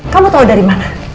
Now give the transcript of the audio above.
kamu tahu dari mana